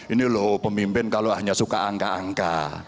ini loh pemimpin kalau hanya suka angka angka